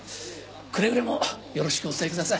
くれぐれもよろしくお伝えください。